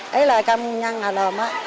đấy là căm nhanh là lồm á